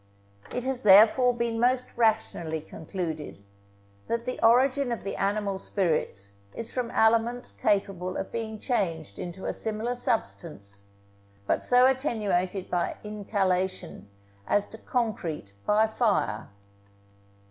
It has therefore been most rationally concluded, that the origin of the animal spirits is from aliments capable of being changed into a similar substance, but so attenuated by incalation as to concrete by fire.